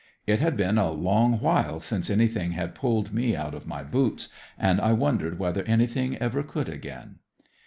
It had been a long while since anything had pulled me out of my boots, and I wondered whether anything ever could again."